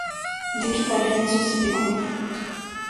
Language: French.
L'équipe organise aussi des congrès.